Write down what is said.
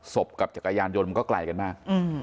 กับจักรยานยนต์มันก็ไกลกันมาก